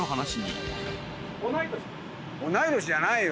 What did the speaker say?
同い年じゃないよ。